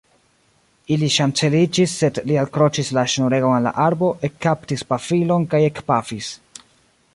Ili ŝanceliĝis, sed li alkroĉis la ŝnuregon al la arbo, ekkaptis pafilon kaj ekpafis.